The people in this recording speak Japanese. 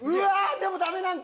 でもダメなんか！